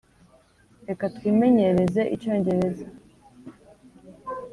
reka twimenyereze icyongereza.